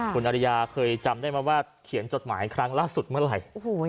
คุณอริยาเคยจำได้ไหมว่าเขียนจดหมายครั้งล่าสุดเมื่อไหร่